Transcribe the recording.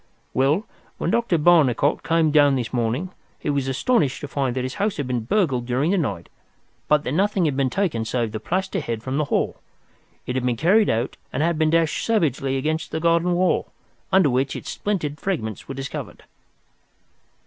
Well, when Dr. Barnicot came down this morning he was astonished to find that his house had been burgled during the night, but that nothing had been taken save the plaster head from the hall. It had been carried out and had been dashed savagely against the garden wall, under which its splintered fragments were discovered."